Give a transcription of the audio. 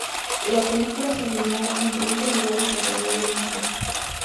La película se filmó en treinta lugares alrededor del mundo.